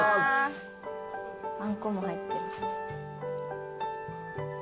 あんこも入ってる。